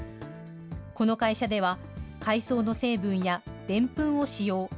この会社では、海藻の成分やデンプンを使用。